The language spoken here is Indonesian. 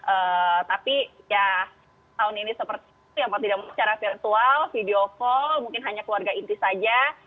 eee tapi ya tahun ini seperti itu ya mau tidak mau secara virtual video call mungkin hanya keluarga inti saja